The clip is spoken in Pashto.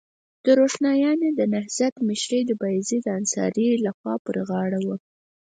د روښانیانو د نهضت مشري د بایزید انصاري لخوا پر غاړه وه.